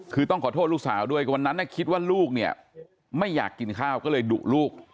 คือต้องขอโทษลูกสาวด้วยวันนั้นคิดว่าลูกเนี่ยไม่อยากกินข้าวก็เลยดุลูก